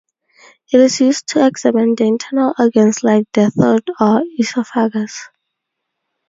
It is used to examine the internal organs like the throat or esophagus.